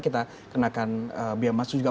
kita kenakan biaya masuk juga